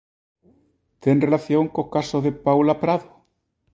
Ten relación co caso de Paula Prado?